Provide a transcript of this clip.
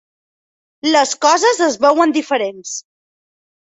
Les coses es veuen diferents.